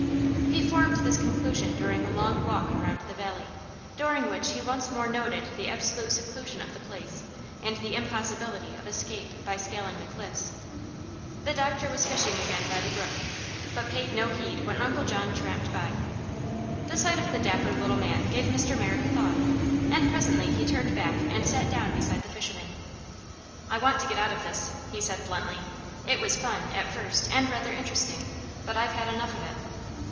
He formed this conclusion during a long walk around the valley, during which he once more noted the absolute seclusion of the place and the impossibility of escape by scaling the cliffs. The doctor was fishing again by the brook, but paid no heed when Uncle John tramped by. The sight of the dapper little man gave Mr. Merrick a thought, and presently he turned back and sat down beside the fisherman. "I want to get out of this," he said, bluntly. "It was fun, at first, and rather interesting; but I've had enough of it."